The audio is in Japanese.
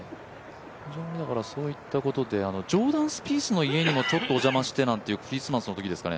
非常にそういったところでジョーダン・スピースの家にもお邪魔してなんて、クリスマスのときでしたか